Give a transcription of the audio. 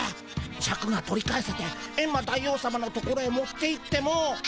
シャクが取り返せてエンマ大王さまの所へ持っていっても。